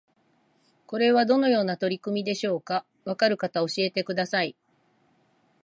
これはどのような取り組みでしょうか？わかる方教えてください